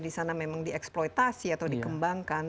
di sana memang dieksploitasi atau dikembangkan